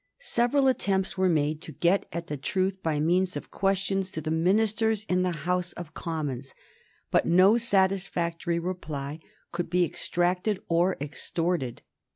Several attempts were made to get at the truth by means of questions to the ministers in the House of Commons, but no satisfactory reply could be extracted or extorted.